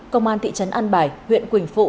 công an thị trấn an bài huyện quỳnh phụ